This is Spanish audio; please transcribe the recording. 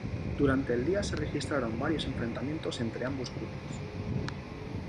Durante el día se registraron varios enfrentamientos entre ambos grupos.